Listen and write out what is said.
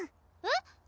えっ？